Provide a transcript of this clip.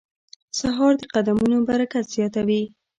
سهار د قدمونو برکت زیاتوي.